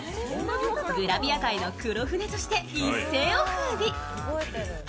グラビア界の黒船として一世をふうび。